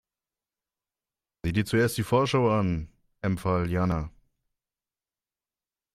Sieh dir zuerst die Vorschau an, empfahl Jana.